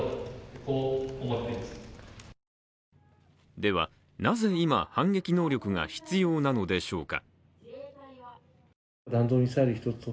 では、なぜ今反撃能力が必要なのでしょうか。